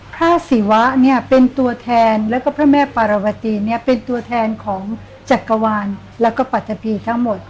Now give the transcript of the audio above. พระสิวะเป็นตัวแทนและพระแม่ปราวัติเป็นตัวแทนของจักรวาลและปัทพีทั้งหมด